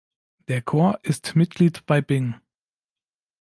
Der Chor ist Mitglied bei BinG!